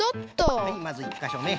はいまず１かしょめ。